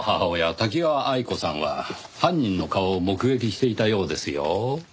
多岐川愛子さんは犯人の顔を目撃していたようですよ。